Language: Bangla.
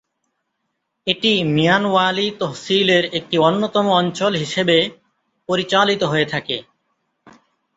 এটি মিয়ানওয়ালী তহসিলের একটি অন্যতম অঞ্চল হিসেবে পরিচালিত হয়ে থাকে।